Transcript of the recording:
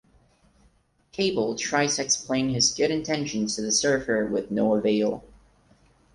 Cable tries to explain his good intentions to the Surfer with no avail.